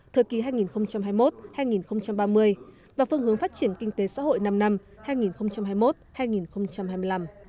thời kỳ hai nghìn hai mươi một hai nghìn ba mươi và phương hướng phát triển kinh tế xã hội năm năm hai nghìn hai mươi một hai nghìn hai mươi năm